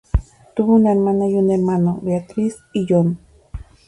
Tuvo una hermana y un hermano, Beatrice y John.